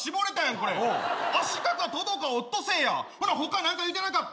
これアシカかトドかオットセイやんほなほか何か言うてなかった？